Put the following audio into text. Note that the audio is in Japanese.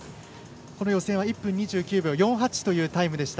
この予選は１分２９秒４８というタイムでした。